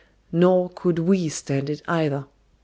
Nor could we stand it either.